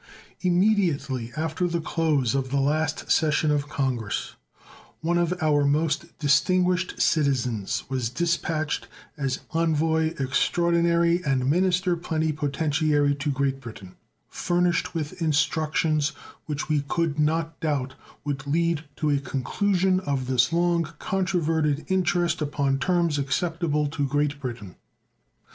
Immediately after the close of the last session of Congress one of our most distinguished citizens was dispatched as envoy extraordinary and minister plenipotentiary to Great Britain, furnished with instructions which we could not doubt would lead to a conclusion of this long controverted interest upon terms acceptable to Great Britain.